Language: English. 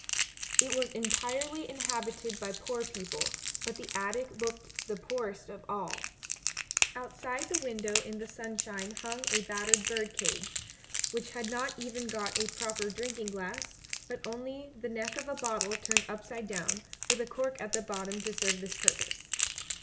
It was entirely inhabited by poor people, but the attic looked the poorest of all. Outside the window in the sunshine hung a battered bird cage, which had not even got a proper drinking glass, but only the neck of a bottle turned upside down, with a cork at the bottom to serve this purpose.